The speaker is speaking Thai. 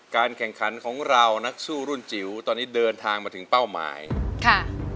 แข่งขันของเรานักสู้รุ่นจิ๋วตอนนี้เดินทางมาถึงเป้าหมายค่ะ